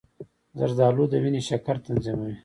زردآلو د وینې شکر تنظیموي.